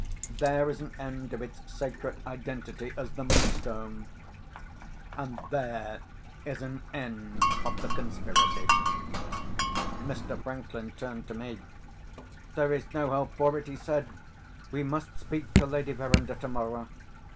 There is an end of its sacred identity as The Moonstone—and there is an end of the conspiracy." Mr. Franklin turned to me. "There is no help for it," he said. "We must speak to Lady Verinder tomorrow."